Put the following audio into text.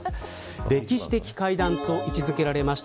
歴史的会談と位置付けられました